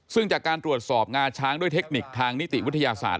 ซึ่งจากการตรวจสอบงาช้างด้วยเทคนิคทางนิติวิทยาศาสตร์